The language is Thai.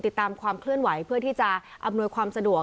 ติดตามความเคลื่อนไหวเพื่อที่จะอำนวยความสะดวก